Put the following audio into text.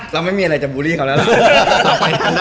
เราไม่มีอะไรจะบูรีเขาแล้ว